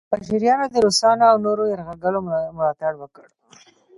پنجشیریانو د روسانو او نورو یرغلګرو ملاتړ وکړ